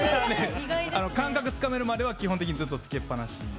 感覚をつかめるまでは、基本的につけっぱなし。